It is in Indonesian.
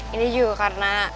ini juga karena